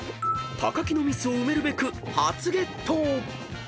［木のミスを埋めるべく初ゲット］